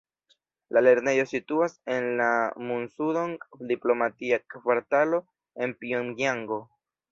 La lernejo situas en la Munsudong diplomatia kvartalo en Pjongjango.